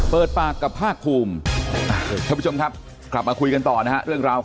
เปิดปากกับภาคภูมิท่านผู้ชมครับกลับมาคุยกันต่อนะฮะเรื่องราว